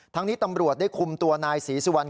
นี้ตำรวจได้คุมตัวนายศรีสุวรรณ